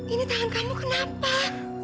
ini tangan kamu kenapa